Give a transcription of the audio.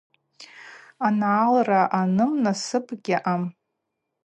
Ангӏалра ъаным — насып гьаъам.